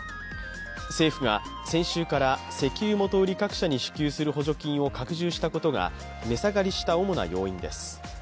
政府が先週から石油元売り各社に支給する補助金を拡充したことが値下がりした主な要因です。